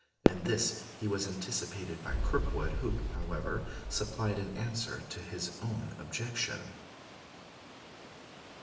In this he was anticipated by Kirkwood, who, however, supplied an answer to his own objection.